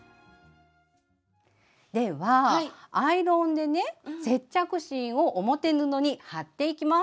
ではアイロンでね接着芯を表布に貼っていきます。